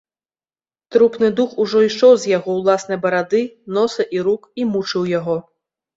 Трупны дух ужо ішоў з яго ўласнай барады, носа і рук і мучыў яго.